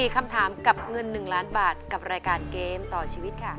๔คำถามกับเงิน๑ล้านบาทกับรายการเกมต่อชีวิตค่ะ